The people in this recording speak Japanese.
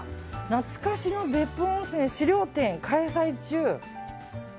懐かしの別府温泉資料展開催中。